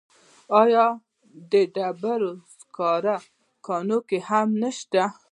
آیا د ډبرو سکرو کانونه هم نشته؟